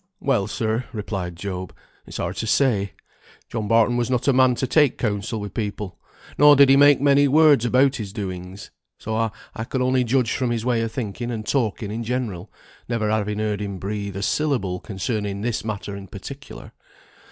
"Well, sir," replied Job, "it's hard to say: John Barton was not a man to take counsel with people; nor did he make many words about his doings. So I can only judge from his way of thinking and talking in general, never having heard him breathe a syllable concerning this matter in particular.